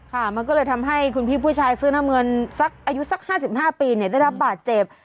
ค่ะมันก็เลยทำให้คุณพี่ผู้ชายเสื้อน้ำเงินสักอายุสัก๕๕ปีได้รับบาดเจ็บ